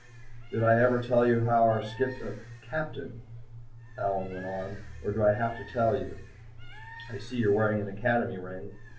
"Did I ever tell you about our skip captain?" Allyn went on. "Or do I have to tell you? I see you're wearing an Academy ring."